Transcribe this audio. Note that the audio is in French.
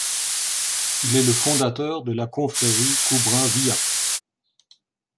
Il est le fondateur de la confrérie Kubrâwiyya.